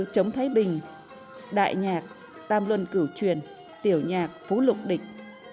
chống thái bình đại nhạc tam luân cửu truyền tiểu nhạc phú lục địch